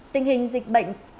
tình hình dịch bệnh